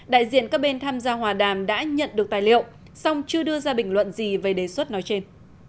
đại diện các bên tham gia hòa đàm đã nhận được tài liệu song chưa đưa ra bình luận gì về đề xuất nói trên